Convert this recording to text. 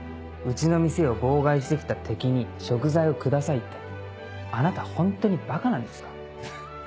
うちの店を妨害して来た敵に食材を下さいってあなたホントにばかなんですか？